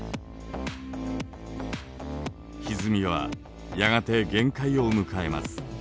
ひずみはやがて限界を迎えます。